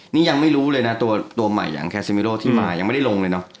นี่ยังไม่รู้เลยนะตัวใหม่อย่างแคซิมิโรที่มายังไม่ได้ลงเลยเนอะ